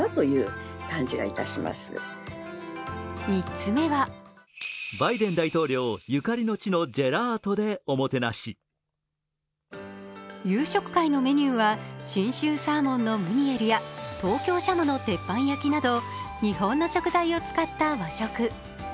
３つ目は夕食会のメニューは信州サーモンのムニエルや東京しゃもの鉄板焼きなど、日本の食材を使った和食。